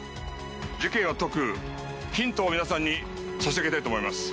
事件を解くヒントを、皆さんに差し上げたいと思います。